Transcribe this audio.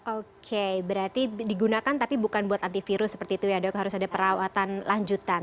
oke berarti digunakan tapi bukan untuk antivirus ya dok harus ada perawatan lanjutan